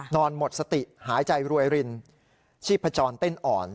นอนหมดสติหายใจรวยรินชีพจรเต้นอ่อน